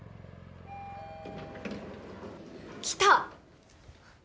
来た。